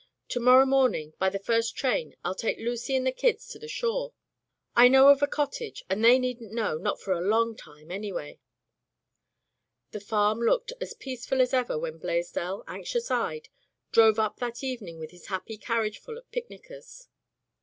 To morrow morning, by the first train, FU take Lucy and the kids to the shore, I know of a cot tage. And they needn't know — ^not for a long time, anyway " The farm looked as peaceful as ever when Blaisdell, anxious eyed, drove up that evening with his happy carriageful of picnickers.